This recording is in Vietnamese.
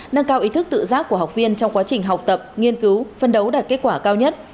nâng cao ý thức tự giác của học viên trong quá trình học tập nghiên cứu phân đấu đạt kết quả cao nhất